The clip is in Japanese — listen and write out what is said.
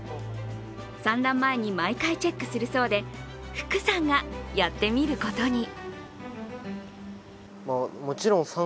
産卵前に毎回チェックするそうで福さんがやってみることに。